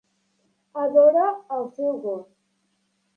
Adora el seu gos